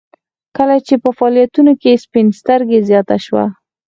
کله چې په فعاليتونو کې سپين سترګي زياته شوه.